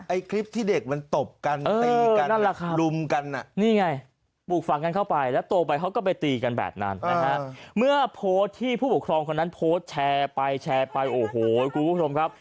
ไอ้คลิปที่เด็กมันตบกันตีกันลุมกันอ่ะ